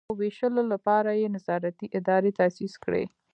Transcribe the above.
د ویشلو لپاره یې نظارتي ادارې تاسیس کړي.